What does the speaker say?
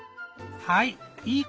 はい。